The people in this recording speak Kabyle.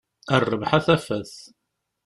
A rrbeḥ, a tafat!